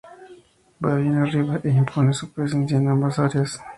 Va bien arriba e impone su presencia en ambas áreas.